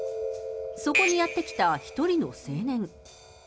そこにやって来た１人の青年。